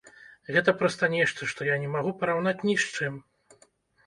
Гэта проста нешта, што я не магу параўнаць ні з чым!